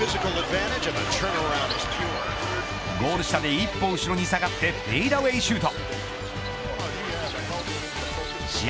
ゴール下で一歩後ろに下がってフェイダウェイシュート。